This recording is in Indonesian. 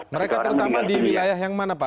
mereka terutama di wilayah yang mana pak